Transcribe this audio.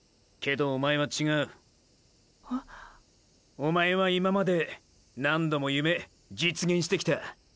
おまえは今まで何度も夢実現してきた。